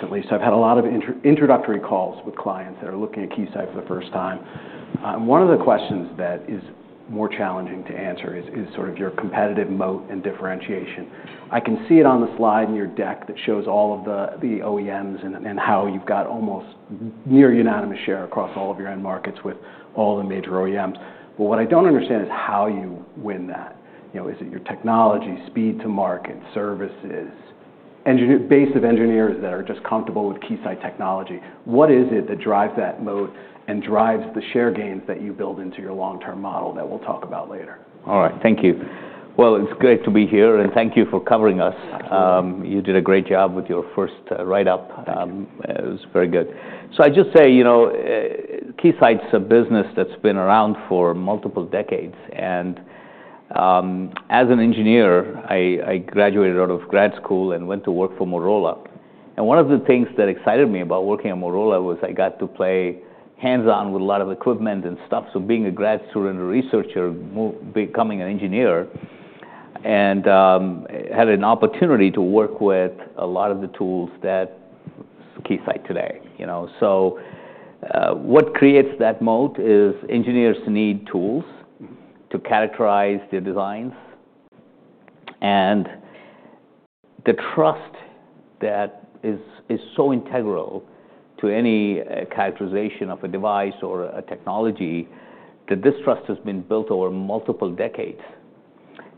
Recently, so I've had a lot of introductory calls with clients that are looking at Keysight for the first time. One of the questions that is more challenging to answer is sort of your competitive moat and differentiation. I can see it on the slide in your deck that shows all of the OEMs and how you've got almost near-unanimous share across all of your end markets with all the major OEMs. But what I don't understand is how you win that. Is it your technology, speed to market, services, base of engineers that are just comfortable with Keysight technology? What is it that drives that moat and drives the share gains that you build into your long-term model that we'll talk about later? All right, thank you. Well, it's great to be here, and thank you for covering us. You did a great job with your first write-up. It was very good. So I just say, Keysight's a business that's been around for multiple decades. And as an engineer, I graduated out of grad school and went to work for Motorola. And one of the things that excited me about working at Motorola was I got to play hands-on with a lot of equipment and stuff. So being a grad student and a researcher, becoming an engineer, and had an opportunity to work with a lot of the tools that Keysight today. So what creates that moat is engineers need tools to characterize their designs and the trust that is so integral to any characterization of a device or a technology. That this trust has been built over multiple decades.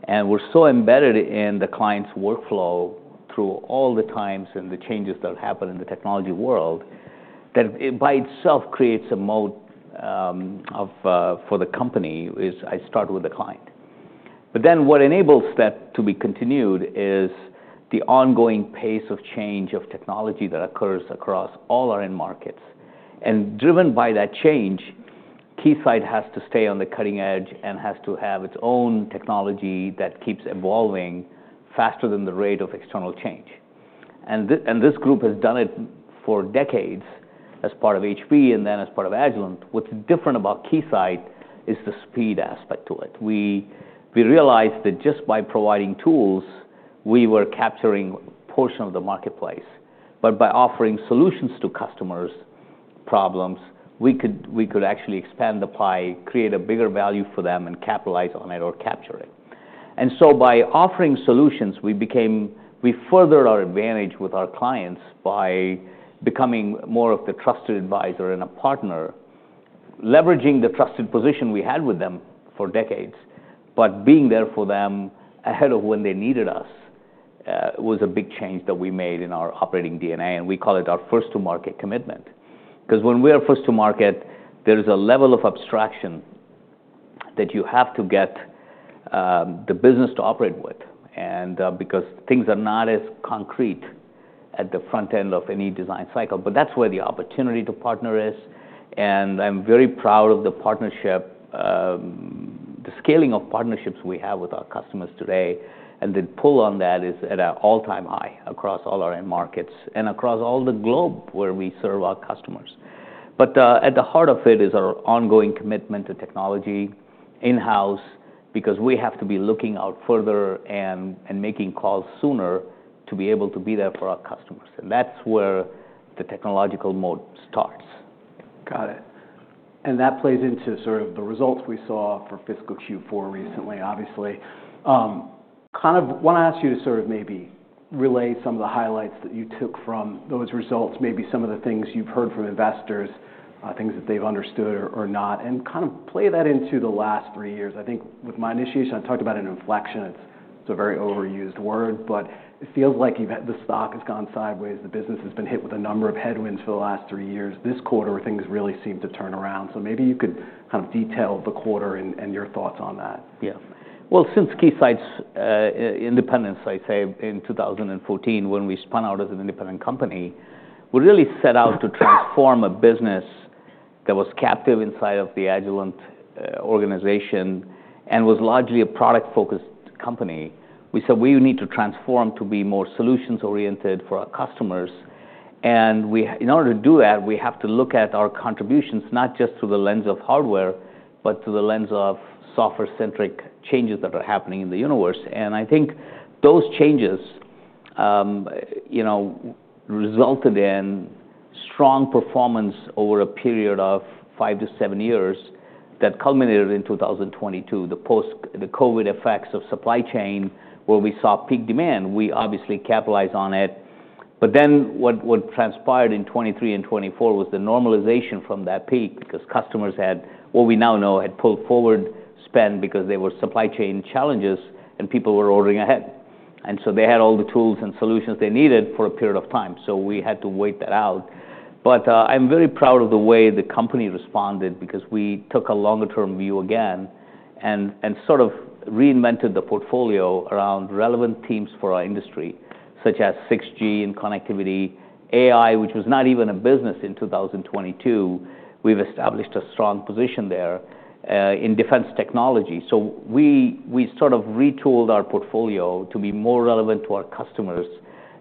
We're so embedded in the client's workflow through all the times and the changes that happen in the technology world that it by itself creates a moat for the company. As I start with the client. Then what enables that to be continued is the ongoing pace of change of technology that occurs across all our end markets. Driven by that change, Keysight has to stay on the cutting edge and has to have its own technology that keeps evolving faster than the rate of external change. This group has done it for decades as part of HP and then as part of Agilent. What's different about Keysight is the speed aspect to it. We realized that just by providing tools, we were capturing a portion of the marketplace. But by offering solutions to customers' problems, we could actually expand the pie, create a bigger value for them, and capitalize on it or capture it. And so by offering solutions, we furthered our advantage with our clients by becoming more of the trusted advisor and a partner, leveraging the trusted position we had with them for decades. But being there for them ahead of when they needed us was a big change that we made in our operating DNA. And we call it our first-to-market commitment. Because when we are first-to-market, there is a level of abstraction that you have to get the business to operate with because things are not as concrete at the front end of any design cycle. But that's where the opportunity to partner is. And I'm very proud of the scaling of partnerships we have with our customers today. And the pull on that is at an all-time high across all our end markets and across all the globe where we serve our customers. But at the heart of it is our ongoing commitment to technology in-house because we have to be looking out further and making calls sooner to be able to be there for our customers. And that's where the technological moat starts. Got it. And that plays into sort of the results we saw for Fiscal Q4 recently, obviously. Kind of want to ask you to sort of maybe relay some of the highlights that you took from those results, maybe some of the things you've heard from investors, things that they've understood or not, and kind of play that into the last three years. I think with my initiation, I talked about an inflection. It's a very overused word, but it feels like the stock has gone sideways. The business has been hit with a number of headwinds for the last three years. This quarter, things really seem to turn around. So maybe you could kind of detail the quarter and your thoughts on that. Yeah. Well, since Keysight's independence, I say, in 2014, when we spun out as an independent company, we really set out to transform a business that was captive inside of the Agilent organization and was largely a product-focused company. We said, "We need to transform to be more solutions-oriented for our customers." And in order to do that, we have to look at our contributions not just through the lens of hardware, but through the lens of software-centric changes that are happening in the universe. And I think those changes resulted in strong performance over a period of five-to-seven years that culminated in 2022, the COVID effects of supply chain where we saw peak demand. We obviously capitalized on it. But then what transpired in 2023 and 2024 was the normalization from that peak because customers had, what we now know, had pulled forward spend because there were supply chain challenges and people were ordering ahead, and so they had all the tools and solutions they needed for a period of time, so we had to wait that out, but I'm very proud of the way the company responded because we took a longer-term view again and sort of reinvented the portfolio around relevant teams for our industry, such as 6G and connectivity, AI, which was not even a business in 2022. We've established a strong position there in defense technology, so we sort of retooled our portfolio to be more relevant to our customers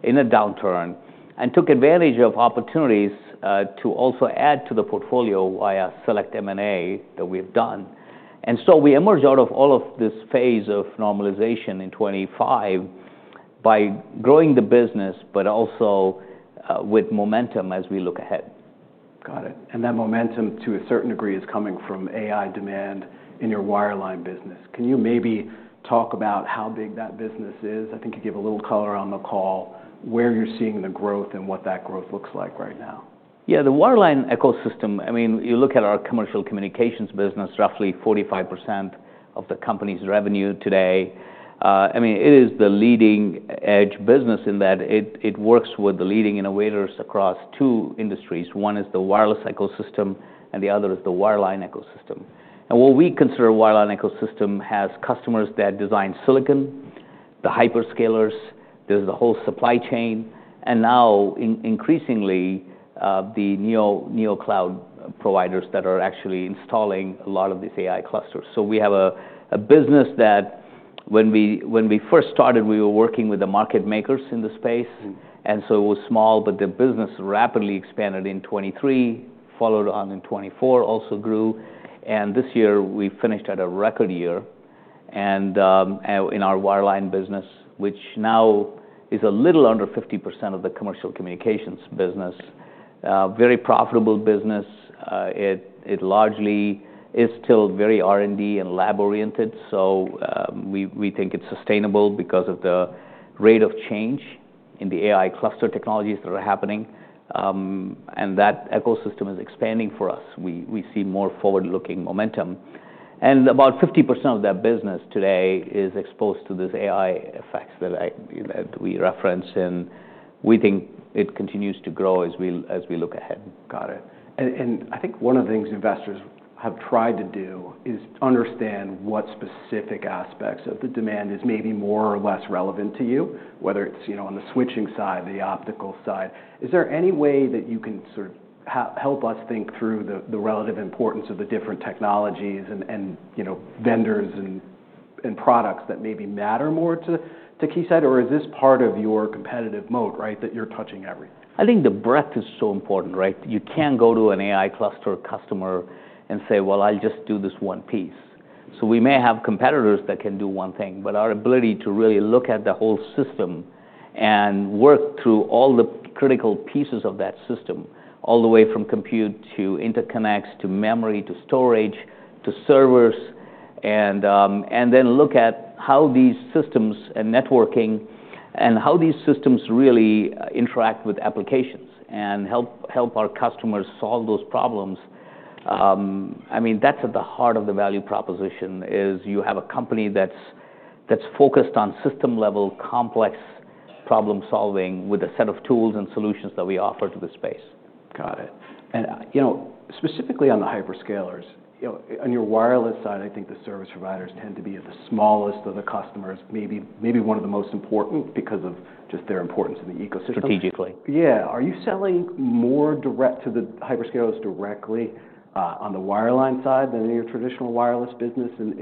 in a downturn and took advantage of opportunities to also add to the portfolio via select M&A that we've done. We emerged out of all of this phase of normalization in 2025 by growing the business, but also with momentum as we look ahead. Got it. And that momentum to a certain degree is coming from AI demand in your wireline business. Can you maybe talk about how big that business is? I think you gave a little color on the call, where you're seeing the growth and what that growth looks like right now. Yeah, the wireline ecosystem. I mean, you look at our commercial communications business, roughly 45% of the company's revenue today. I mean, it is the leading-edge business in that it works with the leading innovators across two industries. One is the wireless ecosystem, and the other is the wireline ecosystem, and what we consider a wireline ecosystem has customers that design silicon, the hyperscalers, there's the whole supply chain, and now increasingly the NeoCloud providers that are actually installing a lot of these AI clusters. So we have a business that when we first started, we were working with the market makers in the space, and so it was small, but the business rapidly expanded in 2023, followed on in 2024, also grew, and this year we finished at a record year in our wireline business, which now is a little under 50% of the commercial communications business. Very profitable business. It largely is still very R&D and lab-oriented, so we think it's sustainable because of the rate of change in the AI cluster technologies that are happening, and that ecosystem is expanding for us. We see more forward-looking momentum, and about 50% of that business today is exposed to this AI effects that we reference, and we think it continues to grow as we look ahead. Got it, and I think one of the things investors have tried to do is understand what specific aspects of the demand is maybe more or less relevant to you, whether it's on the switching side, the optical side. Is there any way that you can sort of help us think through the relative importance of the different technologies and vendors and products that maybe matter more to Keysight? Or is this part of your competitive moat, right, that you're touching everything? I think the breadth is so important, right? You can't go to an AI cluster customer and say, "Well, I'll just do this one piece." So we may have competitors that can do one thing, but our ability to really look at the whole system and work through all the critical pieces of that system, all the way from compute to interconnects to memory to storage to servers, and then look at how these systems and networking and how these systems really interact with applications and help our customers solve those problems. I mean, that's at the heart of the value proposition is you have a company that's focused on system-level complex problem-solving with a set of tools and solutions that we offer to the space. Got it. And specifically on the hyperscalers, on your wireless side, I think the service providers tend to be the smallest of the customers, maybe one of the most important because of just their importance in the ecosystem. Strategically. Yeah. Are you selling more direct to the hyperscalers directly on the wireline side than in your traditional wireless business? And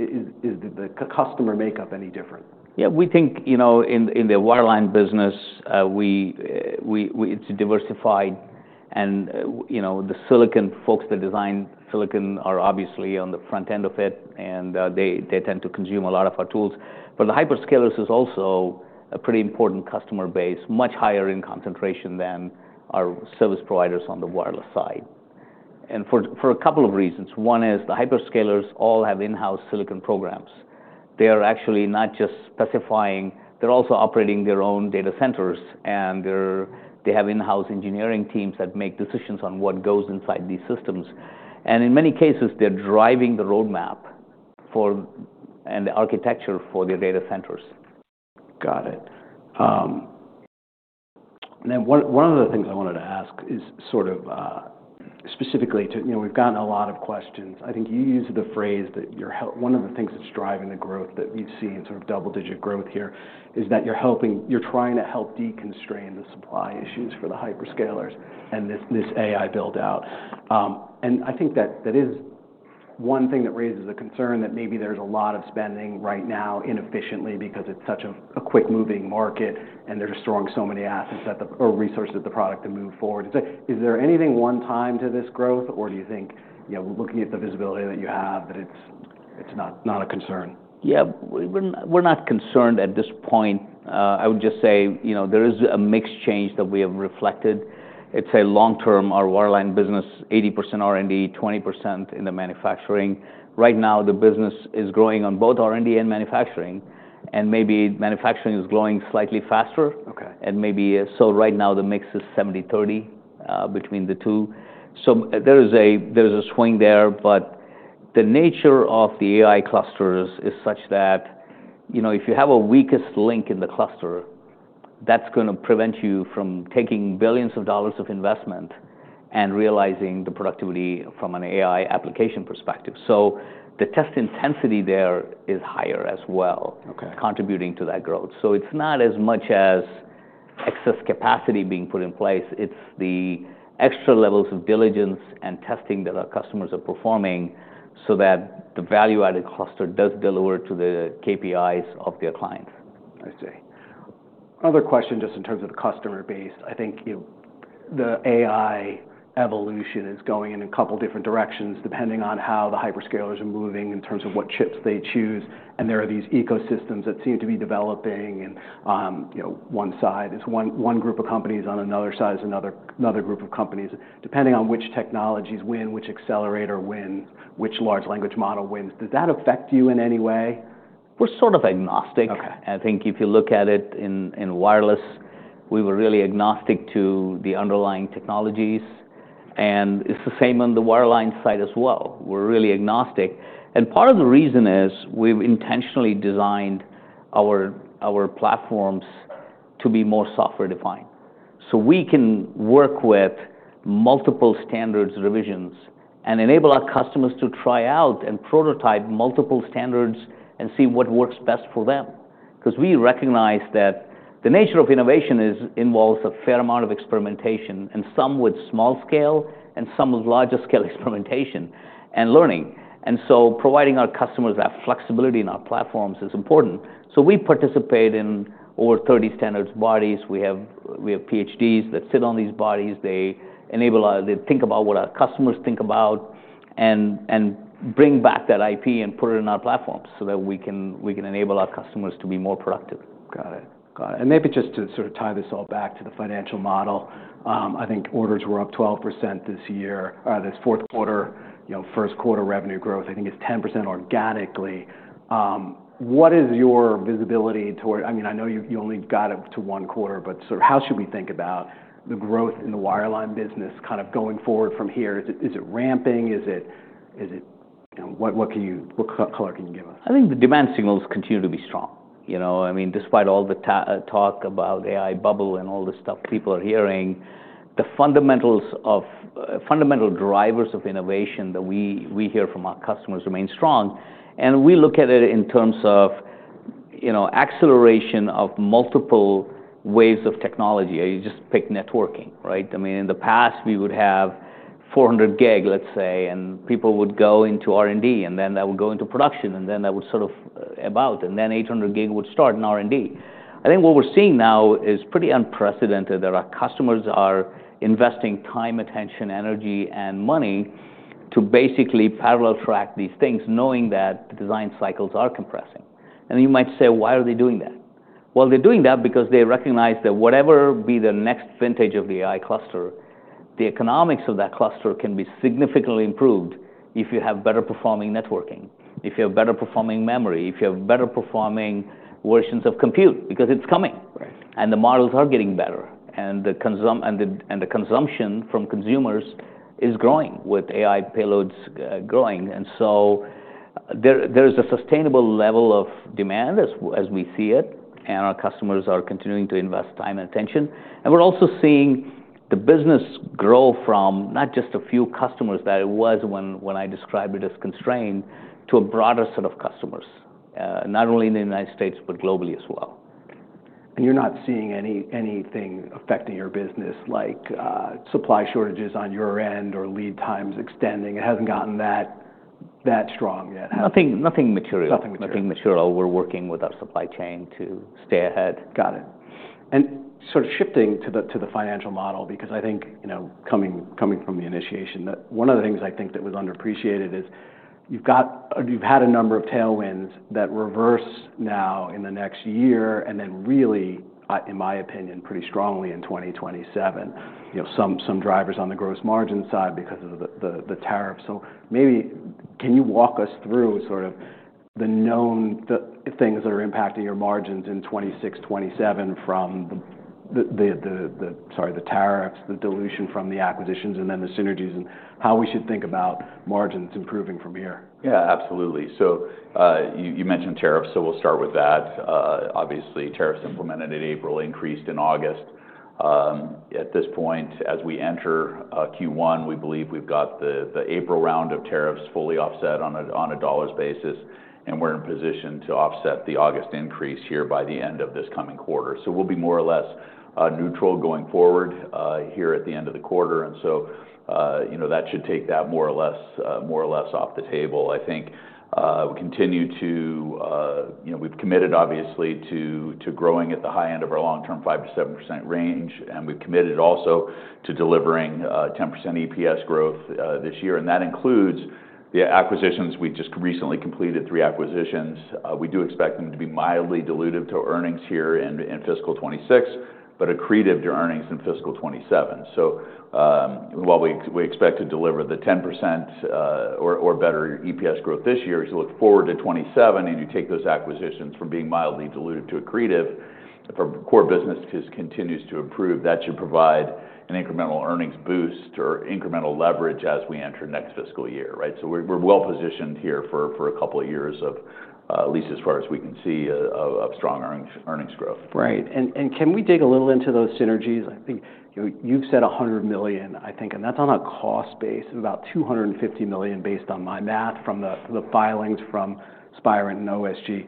is the customer makeup any different? Yeah, we think in the wireline business, it's diversified. And the silicon folks that design silicon are obviously on the front end of it, and they tend to consume a lot of our tools. But the hyperscalers is also a pretty important customer base, much higher in concentration than our service providers on the wireless side. And for a couple of reasons. One is the hyperscalers all have in-house silicon programs. They are actually not just specifying. They're also operating their own data centers, and they have in-house engineering teams that make decisions on what goes inside these systems. And in many cases, they're driving the roadmap and the architecture for their data centers. Got it. And then one of the things I wanted to ask is sort of specifically to, we've gotten a lot of questions. I think you use the phrase that one of the things that's driving the growth that we've seen, sort of double-digit growth here, is that you're trying to help deconstrain the supply issues for the hyperscalers and this AI build-out. And I think that is one thing that raises a concern that maybe there's a lot of spending right now inefficiently because it's such a quick-moving market and they're destroying so many assets or resources of the product to move forward. Is there anything one-time to this growth, or do you think looking at the visibility that you have that it's not a concern? Yeah, we're not concerned at this point. I would just say there is a mixed change that we have reflected. It's a long-term, our wireline business, 80% R&D, 20% in the manufacturing. Right now, the business is growing on both R&D and manufacturing, and maybe manufacturing is growing slightly faster, and maybe so right now, the mix is 70/30 between the two. So there is a swing there, but the nature of the AI clusters is such that if you have a weakest link in the cluster, that's going to prevent you from taking billions of dollars of investment and realizing the productivity from an AI application perspective. So the test intensity there is higher as well, contributing to that growth. So it's not as much as excess capacity being put in place. It's the extra levels of diligence and testing that our customers are performing so that the value-added cluster does deliver to the KPIs of their clients. I see. Another question just in terms of the customer base. I think the AI evolution is going in a couple of different directions depending on how the hyperscalers are moving in terms of what chips they choose. And there are these ecosystems that seem to be developing. And one side is one group of companies on another side is another group of companies. Depending on which technologies win, which accelerator wins, which large language model wins, does that affect you in any way? We're sort of agnostic. I think if you look at it in wireless, we were really agnostic to the underlying technologies. And it's the same on the wireline side as well. We're really agnostic. And part of the reason is we've intentionally designed our platforms to be more software-defined. So we can work with multiple standards revisions and enable our customers to try out and prototype multiple standards and see what works best for them. Because we recognize that the nature of innovation involves a fair amount of experimentation, and some with small-scale and some with larger-scale experimentation and learning. And so providing our customers that flexibility in our platforms is important. So we participate in over 30 standards bodies. We have PhDs that sit on these bodies. They think about what our customers think about and bring back that IP and put it in our platforms so that we can enable our customers to be more productive. Got it. Got it. And maybe just to sort of tie this all back to the financial model, I think orders were up 12% this year, this fourth quarter, first quarter revenue growth, I think it's 10% organically. What is your visibility toward? I mean, I know you only got up to one quarter, but sort of how should we think about the growth in the wireline business kind of going forward from here? Is it ramping? What color can you give us? I think the demand signals continue to be strong. I mean, despite all the talk about AI bubble and all this stuff people are hearing, the fundamental drivers of innovation that we hear from our customers remain strong, and we look at it in terms of acceleration of multiple waves of technology. You just pick networking, right? I mean, in the past, we would have 400 gig, let's say, and people would go into R&D, and then that would go into production, and then that would sort of abate, and then 800 gig would start in R&D. I think what we're seeing now is pretty unprecedented that our customers are investing time, attention, energy, and money to basically parallel track these things, knowing that the design cycles are compressing. And then you might say, "Why are they doing that?" Well, they're doing that because they recognize that whatever be the next vintage of the AI cluster, the economics of that cluster can be significantly improved if you have better performing networking, if you have better performing memory, if you have better performing versions of compute, because it's coming. And the models are getting better, and the consumption from consumers is growing with AI payloads growing. And so there is a sustainable level of demand as we see it, and our customers are continuing to invest time and attention. And we're also seeing the business grow from not just a few customers that it was when I described it as constrained to a broader set of customers, not only in the United States, but globally as well. You're not seeing anything affecting your business like supply shortages on your end or lead times extending? It hasn't gotten that strong yet. Nothing material. Nothing material. We're working with our supply chain to stay ahead. Got it, and sort of shifting to the financial model, because I think coming from the initiation, one of the things I think that was underappreciated is you've had a number of tailwinds that reverse now in the next year and then really, in my opinion, pretty strongly in 2027, some drivers on the gross margin side because of the tariffs, so maybe can you walk us through sort of the known things that are impacting your margins in 2026, 2027 from the tariffs, the dilution from the acquisitions, and then the synergies, and how we should think about margins improving from here? Yeah, absolutely. So you mentioned tariffs, so we'll start with that. Obviously, tariffs implemented in April, increased in August. At this point, as we enter Q1, we believe we've got the April round of tariffs fully offset on a dollars basis, and we're in position to offset the August increase here by the end of this coming quarter. So we'll be more or less neutral going forward here at the end of the quarter. And so that should take that more or less off the table. I think we've committed, obviously, to growing at the high end of our long-term 5%-7% range, and we've committed also to delivering 10% EPS growth this year. And that includes the acquisitions. We just recently completed three acquisitions. We do expect them to be mildly dilutive to earnings here in fiscal 2026, but accretive to earnings in fiscal 2027. So while we expect to deliver the 10% or better EPS growth this year, as you look forward to 2027 and you take those acquisitions from being mildly diluted to accretive from core business continues to improve, that should provide an incremental earnings boost or incremental leverage as we enter next fiscal year, right? So we're well positioned here for a couple of years, at least as far as we can see, of strong earnings growth. Right. And can we dig a little into those synergies? I think you've said $100 million, I think, and that's on a cost base of about $250 million based on my math from the filings from Spirent or SG.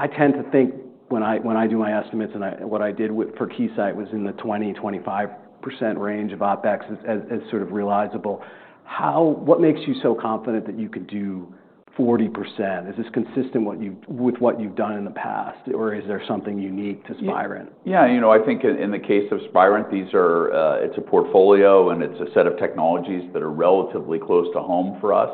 I tend to think when I do my estimates and what I did for Keysight was in the 20%-25% range of OpEx as sort of realizable. What makes you so confident that you could do 40%? Is this consistent with what you've done in the past, or is there something unique to Spirent? Yeah, I think in the case of Spirent, it's a portfolio, and it's a set of technologies that are relatively close to home for us.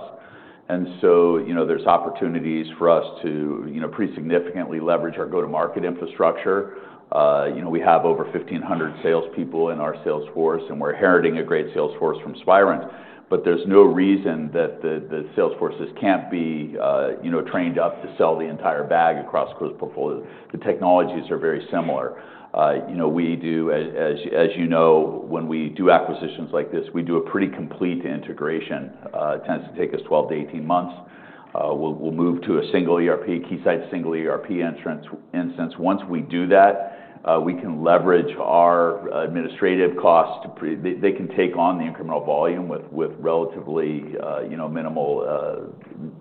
And so there's opportunities for us to pretty significantly leverage our go-to-market infrastructure. We have over 1,500 salespeople in our sales force, and we're inheriting a great sales force from Spirent. But there's no reason that the sales forces can't be trained up to sell the entire bag across those portfolios. The technologies are very similar. As you know, when we do acquisitions like this, we do a pretty complete integration. It tends to take us 12 to 18 months. We'll move to a single ERP, Keysight's single ERP instance. Once we do that, we can leverage our administrative costs. They can take on the incremental volume with relatively minimal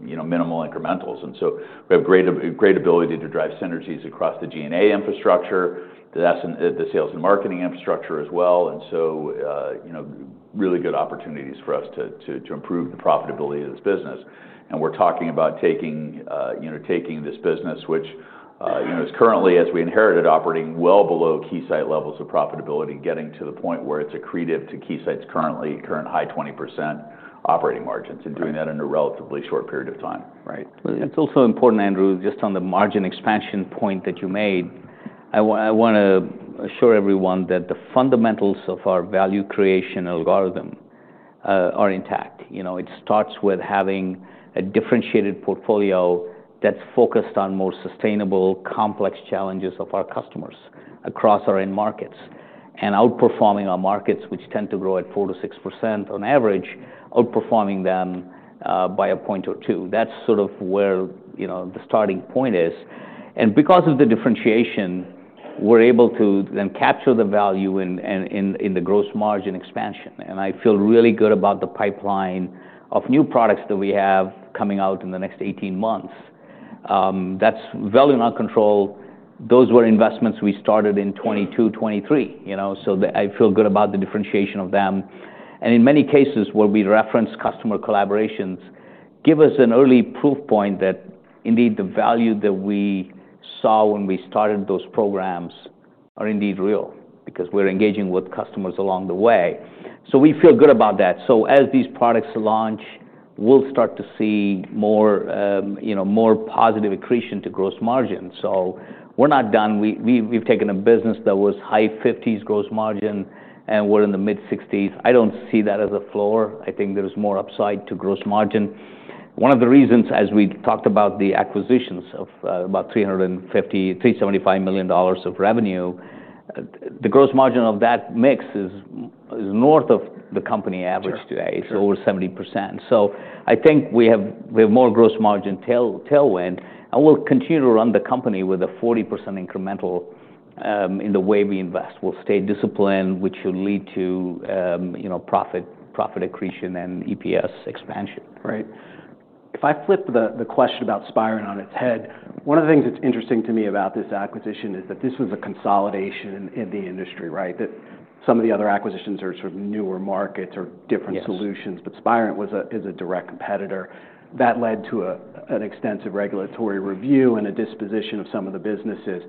incrementals. And so we have great ability to drive synergies across the G&A infrastructure, the sales and marketing infrastructure as well. And so really good opportunities for us to improve the profitability of this business. And we're talking about taking this business, which is currently, as we inherited, operating well below Keysight levels of profitability, getting to the point where it's accretive to Keysight's current high 20% operating margins and doing that in a relatively short period of time. Right. It's also important, Andrew, just on the margin expansion point that you made, I want to assure everyone that the fundamentals of our value creation algorithm are intact. It starts with having a differentiated portfolio that's focused on more sustainable, complex challenges of our customers across our end markets and outperforming our markets, which tend to grow at 4%-6% on average, outperforming them by a point or two. That's sort of where the starting point is. And because of the differentiation, we're able to then capture the value in the gross margin expansion. And I feel really good about the pipeline of new products that we have coming out in the next 18 months. That's value in our control. Those were investments we started in 2022, 2023. So I feel good about the differentiation of them. In many cases where we reference customer collaborations, give us an early proof point that indeed the value that we saw when we started those programs are indeed real because we're engaging with customers along the way. We feel good about that. As these products launch, we'll start to see more positive accretion to gross margin. We're not done. We've taken a business that was high-50s gross margin, and we're in the mid-60s. I don't see that as a flaw. I think there's more upside to gross margin. One of the reasons, as we talked about the acquisitions of about $375 million of revenue, the gross margin of that mix is north of the company average today. It's over 70%. I think we have more gross margin tailwind, and we'll continue to run the company with a 40% incremental in the way we invest. We'll stay disciplined, which will lead to profit accretion and EPS expansion. Right. If I flip the question about Spirent on its head, one of the things that's interesting to me about this acquisition is that this was a consolidation in the industry, right? That some of the other acquisitions are sort of newer markets or different solutions, but Spirent is a direct competitor. That led to an extensive regulatory review and a disposition of some of the businesses.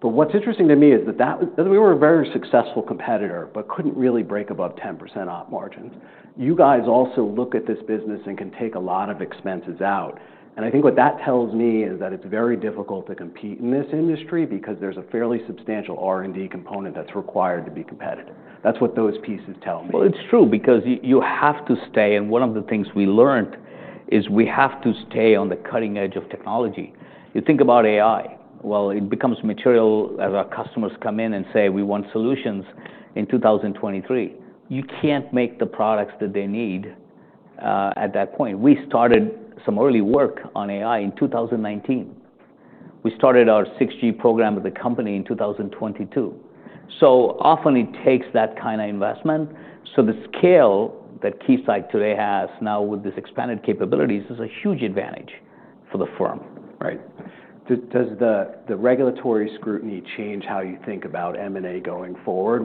But what's interesting to me is that we were a very successful competitor, but couldn't really break above 10% op margins. You guys also look at this business and can take a lot of expenses out. And I think what that tells me is that it's very difficult to compete in this industry because there's a fairly substantial R&D component that's required to be competitive. That's what those pieces tell me. It's true because you have to stay. One of the things we learned is we have to stay on the cutting edge of technology. You think about AI. It becomes material as our customers come in and say, "We want solutions in 2023." You can't make the products that they need at that point. We started some early work on AI in 2019. We started our 6G program at the company in 2022. Often it takes that kind of investment. The scale that Keysight today has now with this expanded capabilities is a huge advantage for the firm. Right. Does the regulatory scrutiny change how you think about M&A going forward?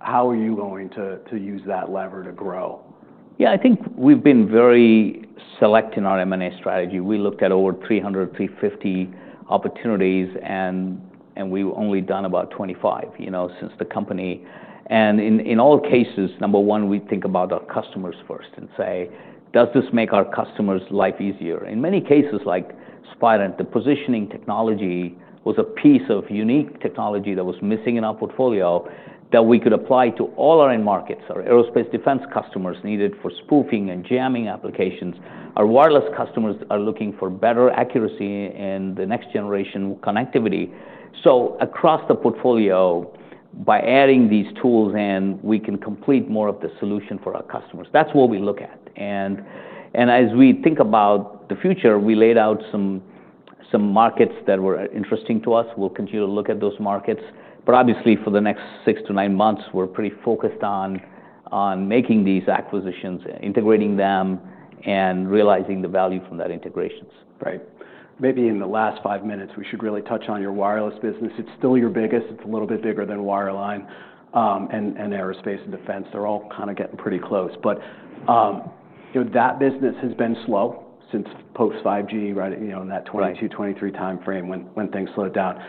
How are you going to use that lever to grow? Yeah, I think we've been very select in our M&A strategy. We looked at over 300, 350 opportunities, and we've only done about 25 since the company, and in all cases, number one, we think about our customers first and say, "Does this make our customers' life easier?" In many cases like Spirent, the positioning technology was a piece of unique technology that was missing in our portfolio that we could apply to all our end markets. Our aerospace defense customers needed for spoofing and jamming applications. Our wireless customers are looking for better accuracy and the next generation connectivity, so across the portfolio, by adding these tools in, we can complete more of the solution for our customers. That's what we look at, and as we think about the future, we laid out some markets that were interesting to us. We'll continue to look at those markets. Obviously, for the next six to nine months, we're pretty focused on making these acquisitions, integrating them, and realizing the value from those integrations. Right. Maybe in the last five minutes, we should really touch on your wireless business. It's still your biggest. It's a little bit bigger than Wireline and Aerospace and Defense. They're all kind of getting pretty close, but that business has been slow since post-5G, right, in that 2022, 2023 timeframe when things slowed down.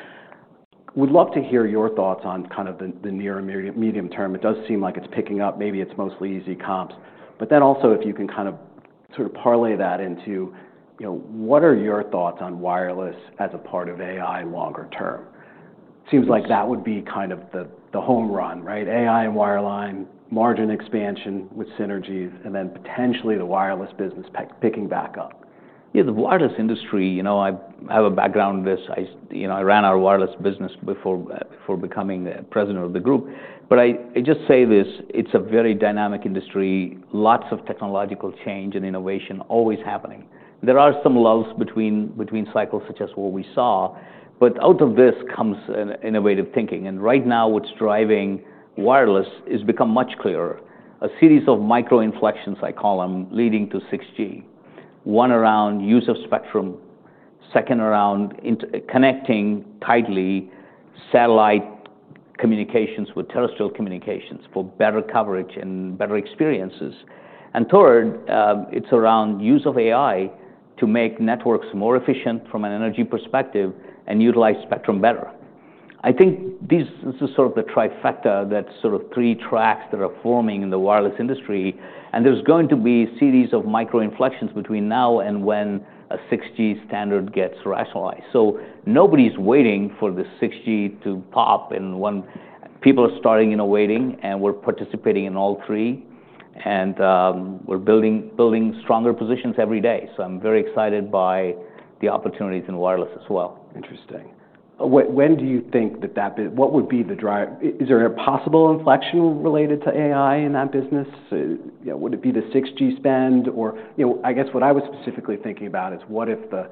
Would love to hear your thoughts on kind of the near and medium term. It does seem like it's picking up, maybe it's mostly easy comps. But then also, if you can kind of sort of parlay that into, what are your thoughts on wireless as a part of AI longer term? Seems like that would be kind of the home run, right? AI and Wireline, margin expansion with synergies, and then potentially the wireless business picking back up. Yeah, the wireless industry. I have a background in this. I ran our wireless business before becoming the president of the group, but I just say this. It's a very dynamic industry, lots of technological change and innovation always happening. There are some lulls between cycles such as what we saw, but out of this comes innovative thinking, and right now, what's driving wireless has become much clearer. A series of micro inflections, I call them, leading to 6G. One around use of spectrum, second around connecting tightly satellite communications with terrestrial communications for better coverage and better experiences, and third, it's around use of AI to make networks more efficient from an energy perspective and utilize spectrum better. I think this is sort of the trifecta, that sort of three tracks that are forming in the wireless industry. And there's going to be a series of micro inflections between now and when a 6G standard gets ratified. So nobody's waiting for the 6G to pop. People are starting and awaiting, and we're participating in all three. And we're building stronger positions every day. So I'm very excited by the opportunities in wireless as well. Interesting. When do you think that what would be the drive? Is there a possible inflection related to AI in that business? Would it be the 6G spend? Or I guess what I was specifically thinking about is what if the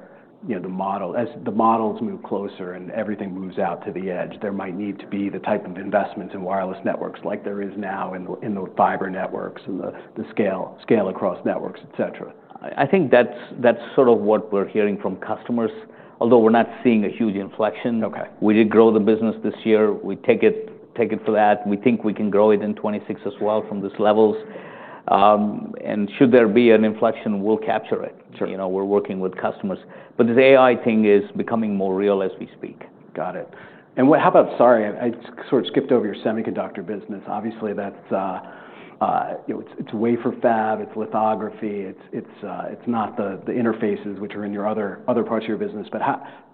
model, as the models move closer and everything moves out to the edge, there might need to be the type of investments in wireless networks like there is now in the fiber networks and the scale across networks, etc. I think that's sort of what we're hearing from customers, although we're not seeing a huge inflection. We did grow the business this year. We take it for that. We think we can grow it in 2026 as well from these levels. And should there be an inflection, we'll capture it. We're working with customers. But this AI thing is becoming more real as we speak. Got it. And how about, sorry, I sort of skipped over your semiconductor business. Obviously, it's wafer fab, it's lithography, it's not the interfaces which are in your other parts of your business. But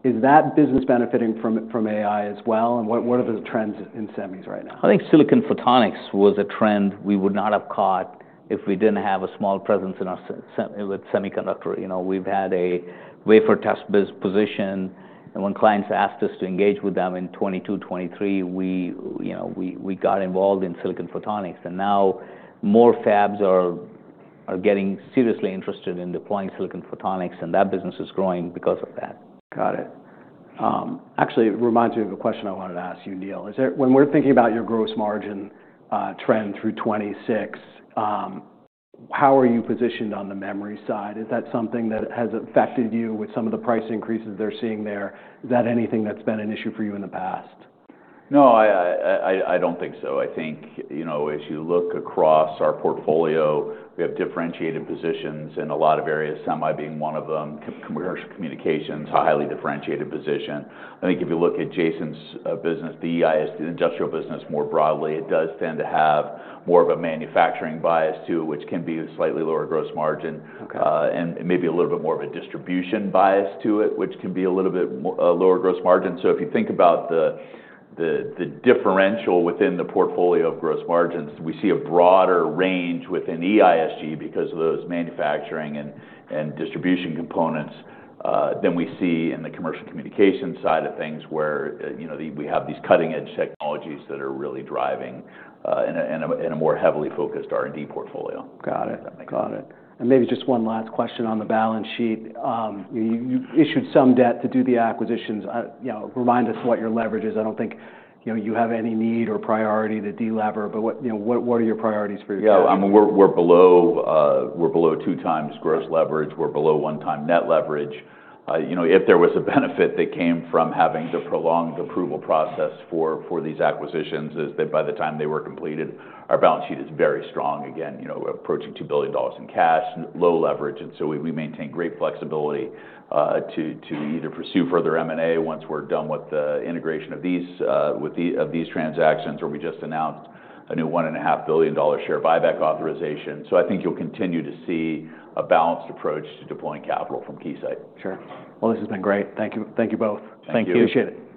is that business benefiting from AI as well? And what are the trends in semis right now? I think silicon photonics was a trend we would not have caught if we didn't have a small presence with semiconductor. We've had a wafer test position. And when clients asked us to engage with them in 2022, 2023, we got involved in silicon photonics. And now more fabs are getting seriously interested in deploying silicon photonics, and that business is growing because of that. Got it. Actually, it reminds me of a question I wanted to ask you, Neil. When we're thinking about your gross margin trend through 2026, how are you positioned on the memory side? Is that something that has affected you with some of the price increases they're seeing there? Is that anything that's been an issue for you in the past? No, I don't think so. I think as you look across our portfolio, we have differentiated positions in a lot of areas, semi being one of them, commercial communications, a highly differentiated position. I think if you look at Jason's business, the industrial business more broadly, it does tend to have more of a manufacturing bias to it, which can be a slightly lower gross margin, and maybe a little bit more of a distribution bias to it, which can be a little bit lower gross margin. So if you think about the differential within the portfolio of gross margins, we see a broader range within EISG because of those manufacturing and distribution components than we see in the commercial communications side of things where we have these cutting-edge technologies that are really driving in a more heavily focused R&D portfolio. Got it. Got it. And maybe just one last question on the balance sheet. You issued some debt to do the acquisitions. Remind us what your leverage is. I don't think you have any need or priority to de-lever, but what are your priorities for yourself? Yeah, I mean, we're below two times gross leverage. We're below one time net leverage. If there was a benefit that came from having to prolong the approval process for these acquisitions is that by the time they were completed, our balance sheet is very strong. Again, we're approaching $2 billion in cash, low leverage. And so we maintain great flexibility to either pursue further M&A once we're done with the integration of these transactions, or we just announced a new $1.5 billion share buyback authorization. So I think you'll continue to see a balanced approach to deploying capital from Keysight. Sure. Well, this has been great. Thank you both. Thank you. Appreciate it.